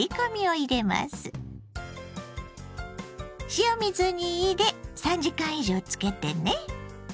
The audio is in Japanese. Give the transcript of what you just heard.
塩水に入れ３時間以上つけてね。